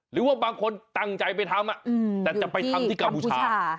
หรือว่าบางคนตั้งใจไปทำแต่จะไปทำที่กัมพูชา